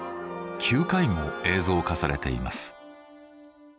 ９回も映像化されています。